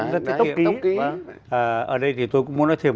và có cả tốc ký nữa